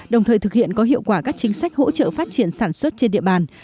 đồng thời thực hiện có hiệu quả các chính sách hỗ trợ phát triển sản xuất trên địa bàn